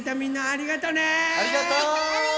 ありがとう！